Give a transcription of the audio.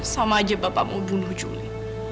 sama saja bapak mau bunuh juli